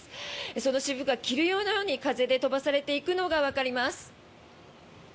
そのしぶきが霧のように風で飛ばされていくのがわかります。